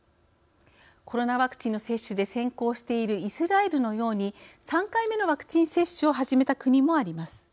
コロナワクチンの接種で先行しているイスラエルのように３回目のワクチン接種を始めた国もあります。